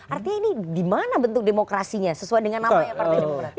artinya ini dimana bentuk demokrasinya sesuai dengan nama ya partai demokrat